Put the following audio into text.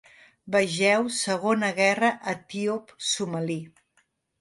Vegeu Segona guerra etíop-somali.